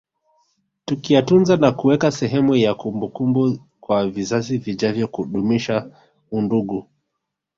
Tukiyatunza na kuweka sehemu ya kumbukumbu kwa vizazi vijavyo kudumisha undugu